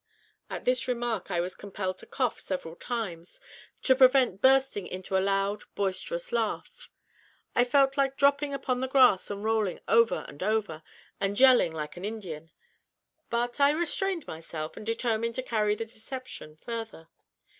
At this remark I was compelled to cough several times, to prevent bursting into a loud, boisterous laugh. I felt like dropping upon the grass and rolling over and over, and yelling like an Indian. But I restrained myself, and determined to carry the deception further.